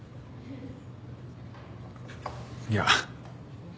いや。